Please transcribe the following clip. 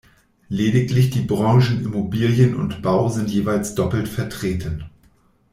Lediglich die Branchen Immobilien und Bau sind jeweils doppelt vertreten.